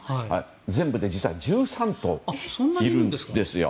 全部で実は１３頭いるんですよ。